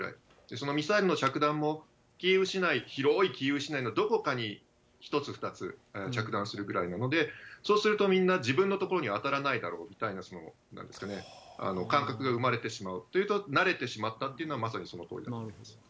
そのミサイルの着弾も、キーウ市内、広いキーウ市内のどこかに１つ、２つ着弾するぐらいなので、そうするとみんな自分の所には当たらないだろうみたいな、なんですかね、感覚が生まれてしまうというと、慣れてしまったっていうのがまさにそのとおりだと思います。